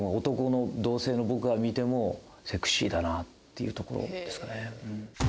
男の同性の僕から見てもセクシーだなっていうところですかね。